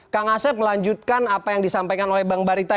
kang asep melanjutkan apa yang disampaikan oleh bang barita